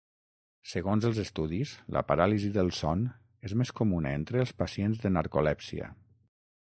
Segons els estudis, la paràlisi del son és més comuna entre els pacients de narcolèpsia.